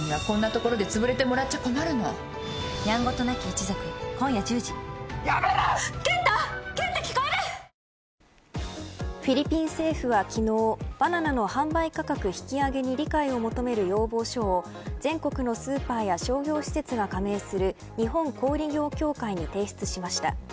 その時間帯に確実にいないということとか、また自宅がフィリピン政府は昨日バナナの販売価格引き上げに理解を求める要望書を全国のスーパーや商業施設が加盟する日本小売業協会に提出しました。